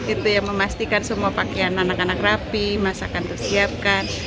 itu yang memastikan semua pakaian anak anak rapi masakan tersiapkan